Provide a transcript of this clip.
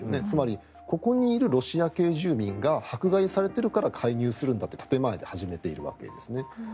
つまり、ここにいるロシア系住民が迫害されているから介入するんだという建前で始めているわけですね。